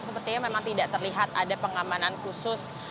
sepertinya memang tidak terlihat ada pengamanan khusus